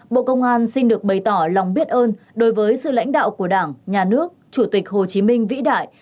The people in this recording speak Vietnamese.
bộ công an xin được bày tỏ lòng biết ơn đối với sự lãnh đạo của đảng nhà nước chủ tịch hồ chí minh vĩ đại